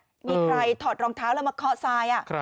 มีใครถอดรองเท้าแล้วมาเคาะทราย